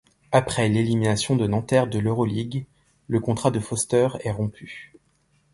Après l'élimination de Nanterre de l'Euroligue, le contrat de Foster est rompu.